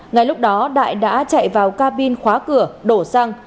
ngay lúc đó đại đã chạy vào cabin khóa cửa đổ xăng